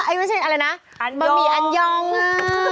ไม่ใช่อะไรนะบะหมี่อันยองอ่ะ